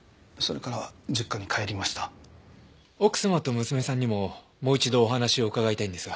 奥様と娘さんにももう一度お話を伺いたいんですが。